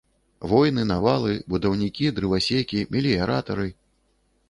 Войны, навалы, будаўнікі, дрывасекі, мэліяратары.